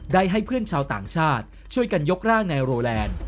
ให้เพื่อนชาวต่างชาติช่วยกันยกร่างนายโรแลนด์